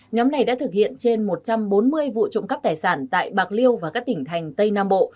nhóm này đã thực hiện trên một trăm bốn mươi vụ trộm cắp tài sản tại bạc liêu và các tỉnh thành tây nam bộ